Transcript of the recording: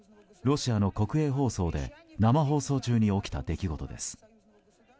ロシアの国営放送で生放送中に起きた出来事です。